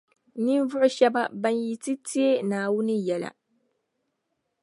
Ninvuɣu shɛba ban yi ti teei Naawuni yɛla